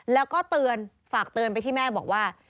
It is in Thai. แล้วก็เตือนฝากเตือนไปที่แม่บอกว่า